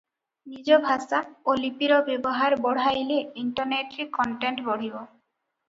ନିଜ ଭାଷା ଓ ଲିପିର ବ୍ୟବହାର ବଢ଼ାଇଲେ ଇଣ୍ଟରନେଟରେ କଣ୍ଟେଣ୍ଟ ବଢ଼ିବ ।